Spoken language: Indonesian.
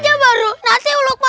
saya udah pinter bekerja